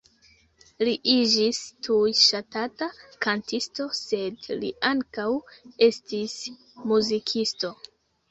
Li iĝis tuj ŝatata kantisto, sed li ankaŭ estis muzikisto.